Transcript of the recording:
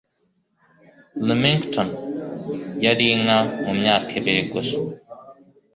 Remington yari inka mumyaka ibiri gusa.